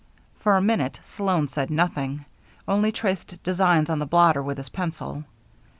For a minute Sloan said nothing, only traced designs on the blotter with his pencil.